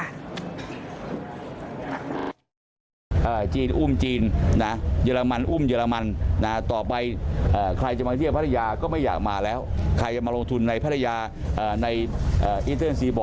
ท่านรองก็ยืนยันว่าไม่หนักใจคุมตัวการได้ทั้งหมด